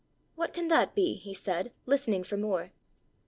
"What can that be?" he said, listening for more.